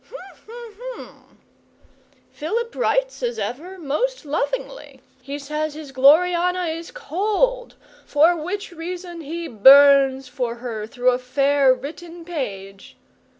'Hm! Hm! Hm! Philip writes as ever most lovingly. He says his Gloriana is cold, for which reason he burns for her through a fair written page.